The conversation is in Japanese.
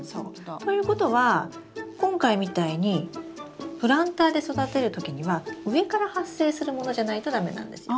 ということは今回みたいにプランターで育てる時には上から発生するものじゃないと駄目なんですよ。